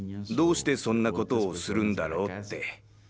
どうしてそんなことをするんだろうって。